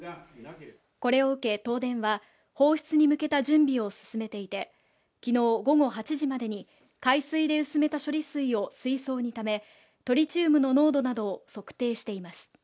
これを受け東電は放出に向けた準備を進めていて昨日午後８時までに海水で薄めた処理水を水槽にためトリチウムの濃度などを測定しています